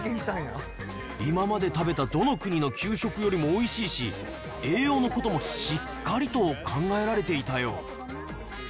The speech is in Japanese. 今まで食べたどの国の給食よりもおいしいし、栄養のこともしっかりと考えられていたよ。